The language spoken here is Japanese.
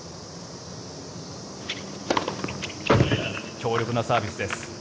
強力なサービスです。